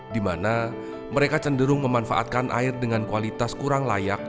di mana mereka cenderung memanfaatkan air dengan kualitas kurang layak